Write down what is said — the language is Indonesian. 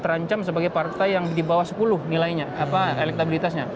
terancam sebagai partai yang di bawah sepuluh nilainya elektabilitasnya